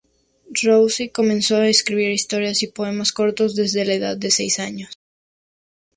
Rossy comenzó a escribir historias y poemas cortos desde la edad de seis años.